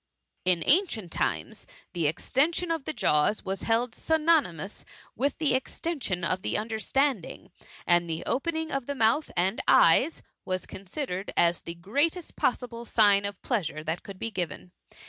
In ancient times, the extension of the jaws was held synonymous with the extension of the understanding, and the opening of the mouth and eyes was consi dered as the greatest possible sign of pleasure that could be given.